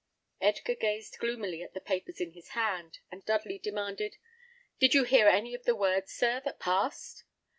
Edgar gazed gloomily at the papers in his hand, and Dudley demanded, "Did you hear any of the words, sir, that passed?"